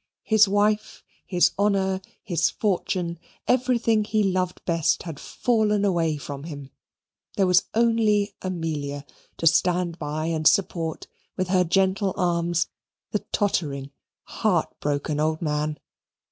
His wife, his honour, his fortune, everything he loved best had fallen away from him. There was only Amelia to stand by and support with her gentle arms the tottering, heart broken old man.